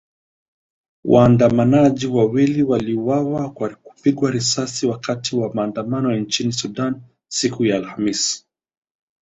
Waandamanaji wawili waliuawa kwa kupigwa risasi wakati wa maandamano nchini Sudan siku ya Alhamis